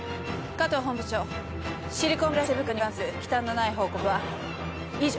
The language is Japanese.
加藤本部長シリコンブラシ手袋に関する忌憚のない報告は以上。